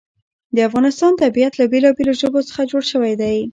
د افغانستان طبیعت له بېلابېلو ژبو څخه جوړ شوی دی.